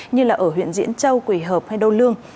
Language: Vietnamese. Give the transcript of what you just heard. như ở huyện diễn châu quỷ hợp hay đâu lương